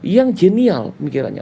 yang genial pemikirannya